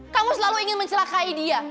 kamu selalu ingin mencelakai dia